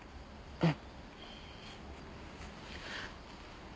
うん。